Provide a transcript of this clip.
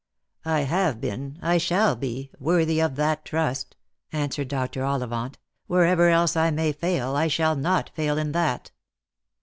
" I have been — I shall be — worthy of that trust," answered Dr. Ollivant; "wherever else I may fail, I shall not fail in that.